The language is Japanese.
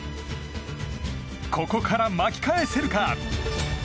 ここから巻き返せるか？